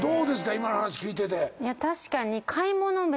今の話聞いてて。